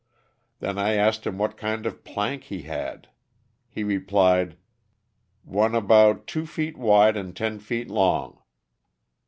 Then I asked him what kind of a plank he had ; he replied, "one about two feet wide and ten feet long."